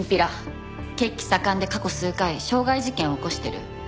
血気盛んで過去数回傷害事件を起こしてる。